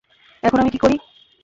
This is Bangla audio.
এখন আমি কী করি?